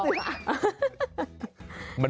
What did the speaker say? ลูกเสือ